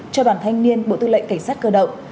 cho đoàn thanh niên bộ tư lệnh cảnh sát cơ động